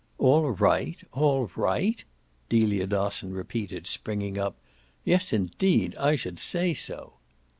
"All right ALL RIGHT?" Delia Dosson repeated, springing up. "Yes indeed I should say so!"